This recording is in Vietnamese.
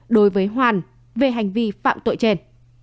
đối với hoàn về hành vi phạm tội trên